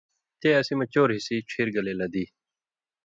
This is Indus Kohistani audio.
تے اسی مہ چؤر حصی ڇھیر گلے لدی۔